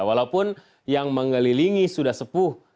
walaupun yang mengelilingi sudah sepuh